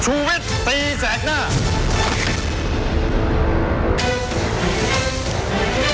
ชูวิตตีแสกหน้า